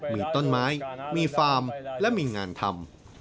มีต้นไม้มีฟาร์มและมีงานทำ